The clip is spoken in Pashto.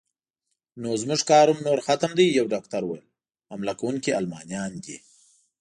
نو زموږ کار هم نور ختم دی، یو ډاکټر وویل: حمله کوونکي المانیان دي.